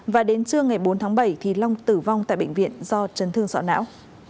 và đến trưa ngày bốn tháng bảy thì long tử vong tại bệnh viện do chấn thương sọ não